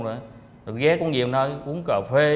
rồi ghé cũng nhiều nơi uống cà phê